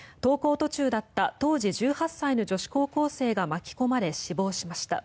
途中だった当時１８歳の女子高校生が巻き込まれ、死亡しました。